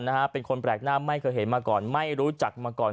นะฮะเป็นคนแปลกหน้าไม่เคยเห็นมาก่อนไม่รู้จักมาก่อน